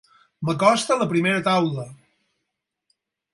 M'acosto a la primera taula.